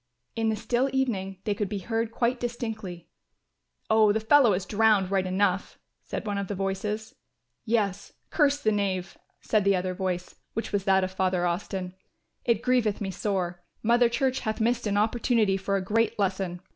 In the still evening they could be heard quite distinctly. "Oh, the fellow is drowned right enough," said one of the voices. "Yes, curse the knave," said the other voice, which was that of Father Austin. "It grieveth me sore. Mother Church hath missed an opportunity for a great lesson.